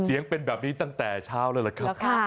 เสียงเป็นแบบนี้ตั้งแต่เช้าแล้วล่ะครับ